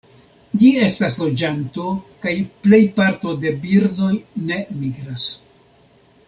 Ĝi estas loĝanto, kaj plej parto de birdoj ne migras.